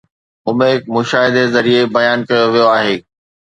عميق مشاهدي ذريعي بيان ڪيو ويو آهي